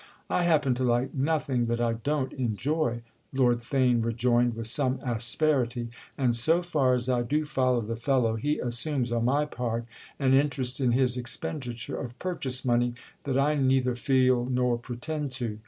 "I happen to like nothing that I don't enjoy," Lord Theign rejoined with some asperity—"and so far as I do follow the fellow he assumes on my part an interest in his expenditure of purchase money that I neither feel nor pretend to.